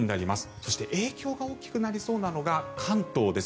そして影響が大きくなりそうなのが関東です。